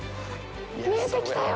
見えてきたよ。